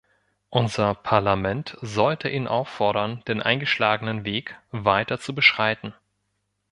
Unser Parlament sollte ihn auffordern, den eingeschlagenen Weg weiter zu beschreiten.